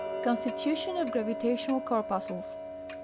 CONSTITUTION OF GRAVITATIONAL CORPUSCLES.